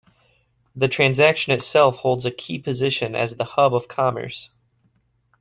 The transaction itself holds a key position as the hub of commerce.